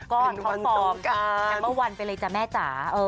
ก้อนคอมฟอร์มแคมเปอร์วันไปเลยจ้ะแม่จ๋า